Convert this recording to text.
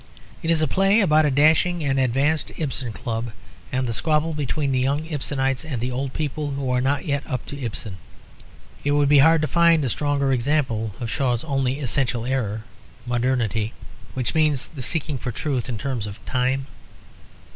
It is a play about a dashing and advanced "Ibsen Club," and the squabble between the young Ibsenites and the old people who are not yet up to Ibsen. It would be hard to find a stronger example of Shaw's only essential error, modernity which means the seeking for truth in terms of time.